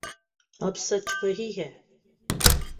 اب سچ وہی ہے